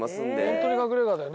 ホントに隠れ家だよ。